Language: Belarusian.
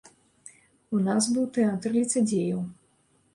У нас быў тэатр ліцадзеяў.